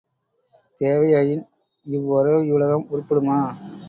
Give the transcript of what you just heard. தேவையாயின் இவ்வொரேயுலகம் உருப்படுமா?